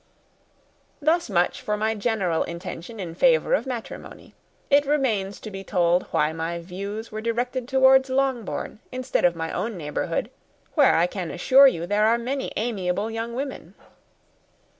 Thus much for my general intention in favour of matrimony; it remains to be told why my views were directed to Longbourn instead of my own neighbourhood, where I assure you there are many amiable young women.